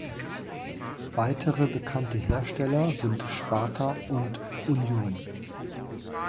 Weitere bekannte Hersteller sind Sparta und Union.